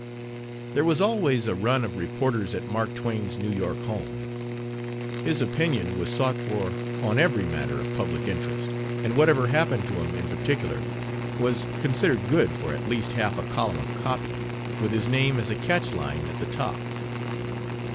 There was always a run of reporters at Mark Twain's New York home. His opinion was sought for on every matter of public interest, and whatever happened to him in particular was considered good for at least half a column of copy, with his name as a catch line at the top.